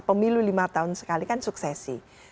pemilu lima tahun sekali kan suksesi